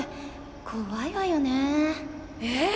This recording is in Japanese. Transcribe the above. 怖いわよねえ！